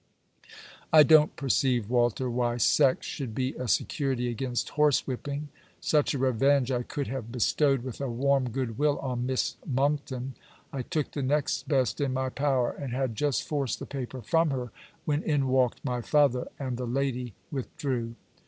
I don't perceive, Walter, why sex should be a security against horse whipping. Such a revenge I could have bestowed with a warm good will on Miss Monckton. I took the next best, in my power; and had just forced the paper from her, when in walked my father, and the lady withdrew.